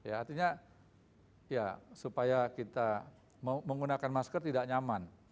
artinya ya supaya kita menggunakan masker tidak nyaman